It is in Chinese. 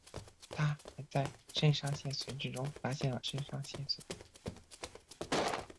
他还在肾上腺髓质中发现了肾上腺素。